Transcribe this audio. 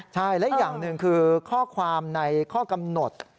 ใช่และอีกอย่างหนึ่งคือข้อความในข้อกำหนด